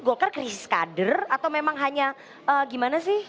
golkar krisis kader atau memang hanya gimana sih